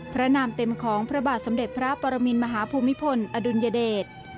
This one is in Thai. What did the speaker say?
นามเต็มของพระบาทสมเด็จพระปรมินมหาภูมิพลอดุลยเดช